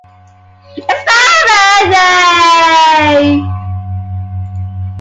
It's my birthday!